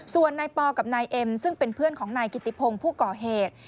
ส่วนนายปอกับนายเอ็มซึ่งเป็นเพื่อนของนายกิติพงศ์ผู้ก่อเหตุ